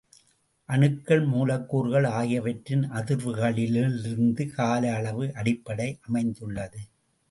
அணுக்கள், மூலக்கூறுகள் ஆகியவற்றின்அதிர்வுகளிலிருந்து காலஅளவு அடிப்படை அமைந்துள்ளது.